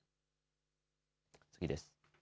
次です。